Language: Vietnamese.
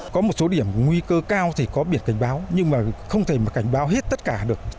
có một số điểm nguy cơ cao thì có biển cảnh báo nhưng mà không thể mà cảnh báo hết tất cả được